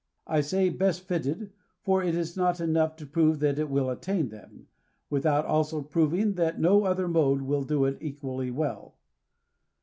I say best fitted, for it is not enough to prove that it will attain them, without also proving that no other mode will do it equally well.